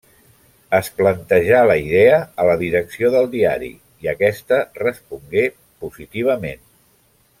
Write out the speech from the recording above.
Es plantejà la idea a la direcció del diari i aquesta respongué positivament.